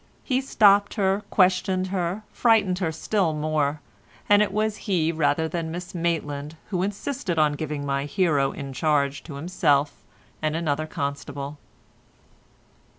He stopped her, questioned her, frightened her still more, and it was he rather than Miss Maitland, who insisted on giving my hero in charge to himself and another constable.